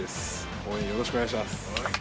応援よろしくお願いします。